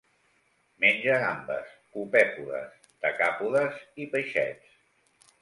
Menja gambes, copèpodes, decàpodes i peixets.